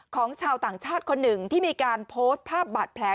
ของชาวต่างชาติคนหนึ่งที่มีการโพสต์ภาพบาดแผล